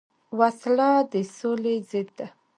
وسله د سولې ضد ده